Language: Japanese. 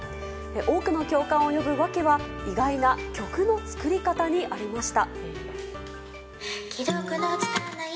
多くの共感を生む訳は意外な曲の作り方にありました。